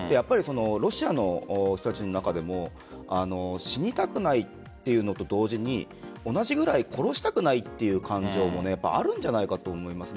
ロシアの人の中でも死にたくないというのと同時に同じぐらい殺したくないという感情もあるんじゃないかと思います。